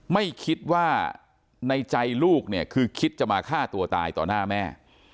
ไม่คิดว่าในใจลูกเนี่ยคือคิดจะมาฆ่าตัวตายต่อหน้าแม่